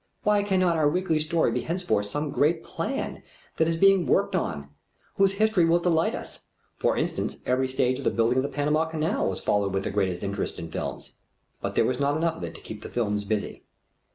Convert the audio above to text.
Why cannot our weekly story be henceforth some great plan that is being worked out, whose history will delight us? For instance, every stage of the building of the Panama Canal was followed with the greatest interest in the films. But there was not enough of it to keep the films busy.